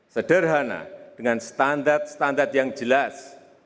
sederhana dengan standar standar yang jelas